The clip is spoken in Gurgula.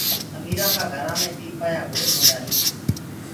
اميرآ ڪآ گھرآ مي پيٚلپآيآ گول هوندآ هين۔